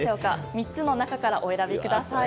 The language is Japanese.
３つの中からお選びください。